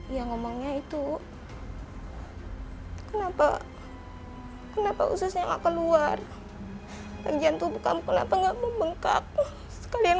ya ngomongnya itu kenapa ususnya gak keluar bagian tubuh kamu kenapa gak membengkak sekalian